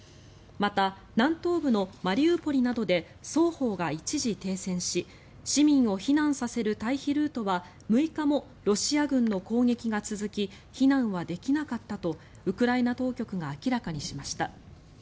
また、南東部のマリウポリなどで双方が一時停戦し市民を避難させる退避ルートは６日もロシア軍の攻撃が続き避難はできなかったとウクライナ当局が明らかにしました。